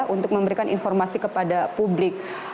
untuk memberikan informasi kepada publik